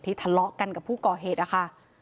ที่ทะเลาะกันกับผู้ก่อเหตุค่ะ